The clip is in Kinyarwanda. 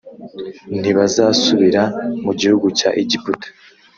Ntibazasubira mu gihugu cya Egiputa